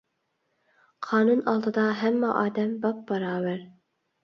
قانۇن ئالدىدا ھەممە ئادەم باپباراۋەر.